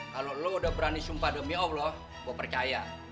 kalau lo udah berani sumpah demi allah gue percaya